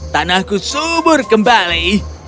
tanahku subur kembali